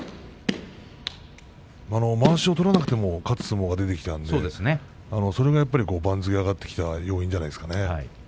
まわしを取らなくても勝つ相撲が出てきたのでそれがやっぱり番付が上がってきた要因じゃないですかね。